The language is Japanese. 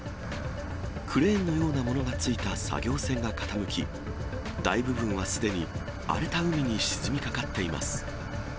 クレーンのようなものが付いた作業船が傾き、大部分はすでに荒れた海に沈みかかっています。